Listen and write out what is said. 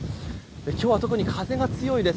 今日は特に風が強いです。